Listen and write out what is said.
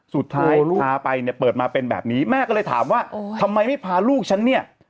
สุดท้ายพาไปเนี่ยเปิดมาเป็นแบบนี้แม่ก็เลยถามว่าทำไมไม่พาลูกฉันเนี่ย